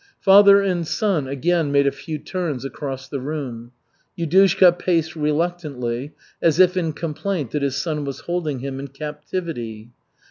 Father and son again made a few turns across the room. Yudushka paced reluctantly, as if in complaint that his son was holding him in captivity.